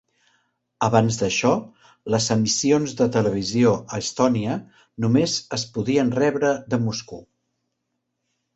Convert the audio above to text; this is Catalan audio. Abans d"això, les emissions de televisió a Estònia només es podien rebre de Moscou.